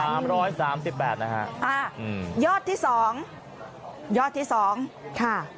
สามร้อยสามสิบแปดนะฮะอ่าอืมยอดที่สองยอดที่สองค่ะ